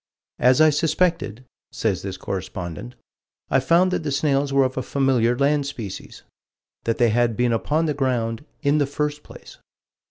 "As I suspected," says this correspondent, "I found that the snails were of a familiar land species" that they had been upon the ground "in the first place."